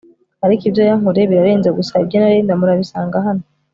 ariko ibyo yankoreye birarenze gusa ibye na Linda murabisanga hano